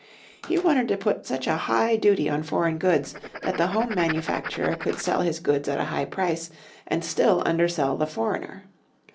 He wanted to put such a high duty on foreign goods that the home manufacturer could sell his goods at a high price, and still undersell the foreigner.